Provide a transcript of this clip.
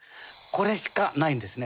これしかないんですね。